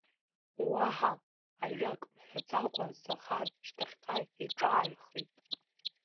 Уаҳа ажәак мҳәаӡакәа Захар шьҭахьҟа иҿааихеит.